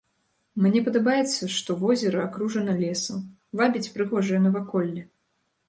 Мне падабаецца, што возера акружана лесам, вабіць прыгожае наваколле.